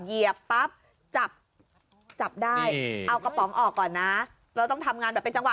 เหยียบปั๊บจับจับได้เอากระป๋องออกก่อนนะเราต้องทำงานแบบเป็นจังหว